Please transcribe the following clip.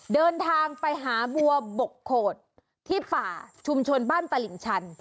เดินทางไปหาบัวบกโขดที่ป่าชุมชนบ้านตลิ่งชัน